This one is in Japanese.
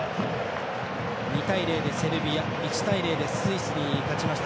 ２対０でセルビア２対０でスイスに勝ちました。